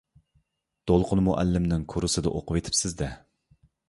دولقۇن مۇئەللىمنىڭ كۇرسىدا ئوقۇۋېتىپسىز-دە.